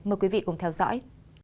mời quý vị cùng theo dõi